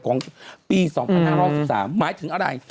ตามระเบียบของปี๒๕๖๓หมายถึงอะไร